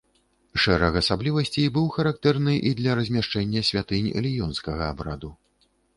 Шэраг асаблівасцей быў характэрны і для размяшчэння святынь ліёнскага абраду.